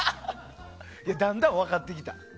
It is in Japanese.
だんだん分かってきた。